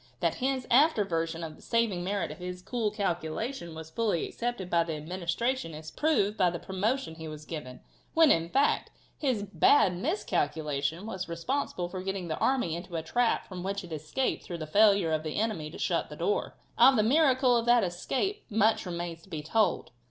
That his after version of the saving merit of his cool calculation was fully accepted by the Administration is proved by the promotion he was given, when, in fact, his bad miscalculation was responsible for getting the army into a trap from which it escaped through the failure of the enemy to shut the door. Of the miracle of that escape much remains to be told.